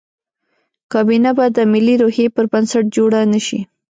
کابینه به د ملي روحیې پر بنسټ جوړه نه شي.